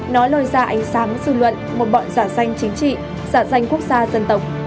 nó lôi ra ánh sáng dư luận một bọn giả danh chính trị giả danh quốc gia dân tộc